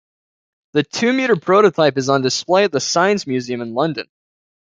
The two-meter prototype is on display at the Science Museum in London.